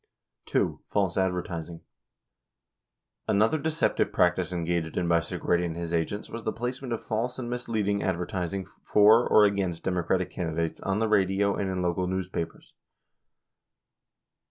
(ii) False Advertising .— Another deceptive practice engaged in by Segretti and his agents was the placement of false and misleading advertising for or against Democratic candidates on the radio and in local newspapers.